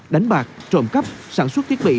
đánh bạc trộm cắp sản xuất thiết bị